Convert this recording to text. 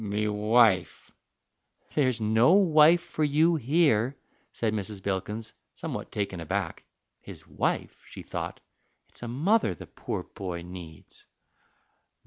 "Me wife." "There's no wife for you here," said Mrs. Bilkins, somewhat taken aback. "His wife!" she thought; "it's a mother the poor boy needs."